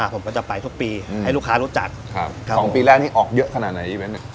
ผมก็จะไปทุกปีให้ลูกค้ารู้จัก๒ปีแรกนี้ออกเยอะขนาดไหนอีเวนต์